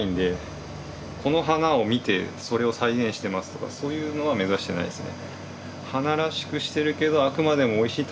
この花を見てそれを再現してますとかそういうのは目指してないですね。